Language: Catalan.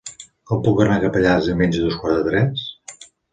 Com puc anar a Capellades diumenge a dos quarts de tres?